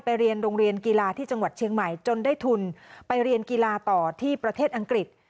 เรียนโรงเรียนกีฬาที่จังหวัดเชียงใหม่จนได้ทุนไปเรียนกีฬาต่อที่ประเทศอังกฤษ